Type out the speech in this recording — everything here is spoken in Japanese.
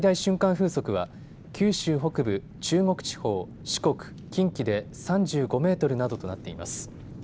風速は九州北部、中国地方、四国、近畿で３５メートルなどとなっています。